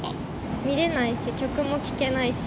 見れないし、曲も聴けないし。